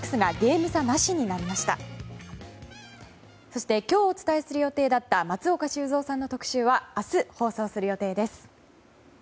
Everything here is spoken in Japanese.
そして今日お伝えする予定だった松岡修造さんの特集は明日、放送する予定です。